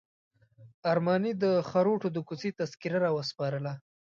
ارماني د خروټو د کوڅې تذکره راوسپارله.